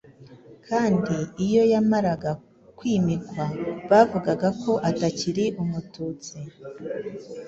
Kandi iyo yamaraga kwimikwa, bavugaga ko "atakiri umututsi"